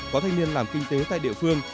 có thanh niên làm kinh tế tại địa phương